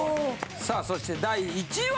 さあそして第１位は！